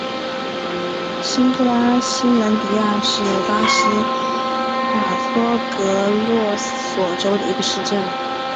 新布拉西兰迪亚是巴西马托格罗索州的一个市镇。